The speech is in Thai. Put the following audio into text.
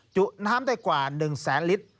จุน้ำได้กว่า๑แสนลิตร